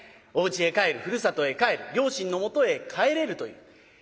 おうちへ帰るふるさとへ帰る両親のもとへ帰れるという。